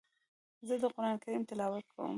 زه د قرآن کريم تلاوت کوم.